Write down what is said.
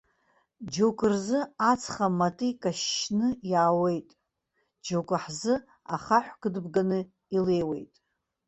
Џьоук рзы ацха мати кашьшьны иауеит, џьоук ҳзы ахаҳә кыдбганы илеиуеит!